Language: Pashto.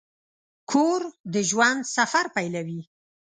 کور د ژوند سفر پیلوي.